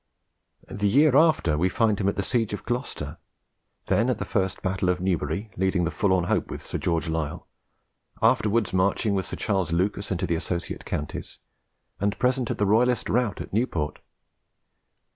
The year after we find him at the siege of Gloucester, then at the first battle of Newbury leading the forlorn hope with Sir George Lisle, afterwards marching with Sir Charles Lucas into the associate counties, and present at the royalist rout at Newport.